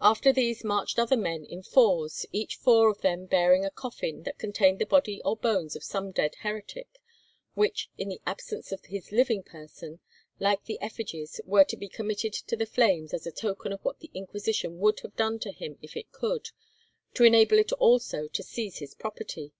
After these marched other men in fours, each four of them bearing a coffin that contained the body or bones of some dead heretic, which, in the absence of his living person, like the effigies, were to be committed to the flames as a token of what the Inquisition would have done to him if it could—to enable it also to seize his property.